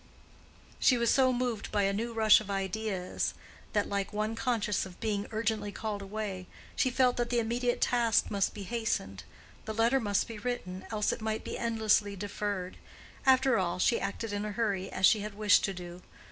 She was so moved by a new rush of ideas that, like one conscious of being urgently called away, she felt that the immediate task must be hastened: the letter must be written, else it might be endlessly deferred. After all, she acted in a hurry, as she had wished to do.